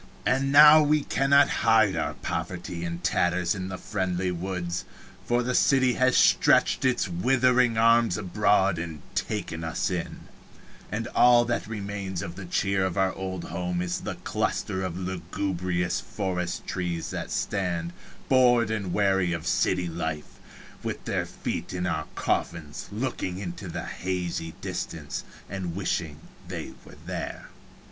And now we cannot hide our poverty and tatters in the friendly woods, for the city has stretched its withering arms abroad and taken us in, and all that remains of the cheer of our old home is the cluster of lugubrious forest trees that stand, bored and weary of a city life, with their feet in our coffins, looking into the hazy distance and wishing they were there.